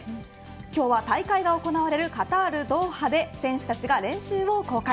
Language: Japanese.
今日は大会が行われるカタール、ドーハで選手たちが練習を公開。